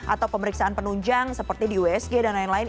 atau pemeriksaan penunjang seperti di usg dan lain lain